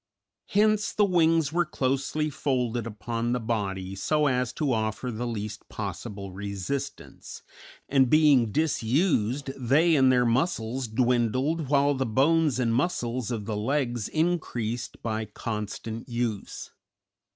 Hence the wings were closely folded upon the body so as to offer the least possible resistance, and being disused, they and their muscles dwindled, while the bones and muscles of the legs increased by constant use.